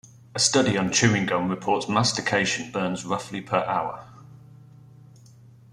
A study on chewing gum reports mastication burns roughly per hour.